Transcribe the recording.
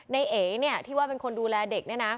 นายเอ๋ที่ว่าเป็นคนดูแลเด็ก